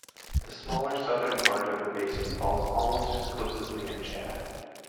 The smaller, southern part of the basin falls almost exclusively in Chad.